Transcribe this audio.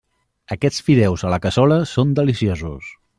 Aquests fideus a la cassola són deliciosos.